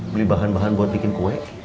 beli bahan bahan buat bikin kue